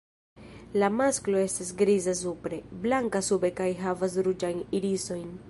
La masklo estas griza supre, blanka sube kaj havas ruĝajn irisojn.